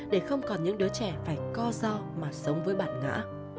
để không còn những đứa trẻ phải co do mà sống với bản ngã